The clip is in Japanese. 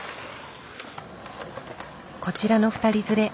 こちらの２人連れ。